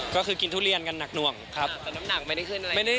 ก็คือกินทุเรียนกันหนักหน่วงครับแต่น้ำหนักไม่ได้ขึ้นอะไร